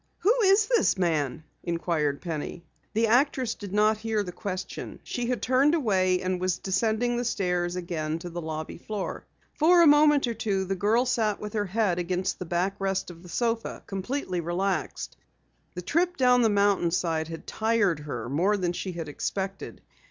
"Who is this man?" inquired Penny. The actress did not hear the question. She had turned away and was descending the stairs again to the lobby floor. For a moment or two the girl sat with her head against the back rest of the sofa, completely relaxed. The trip down the mountainside had tired her more than she had expected.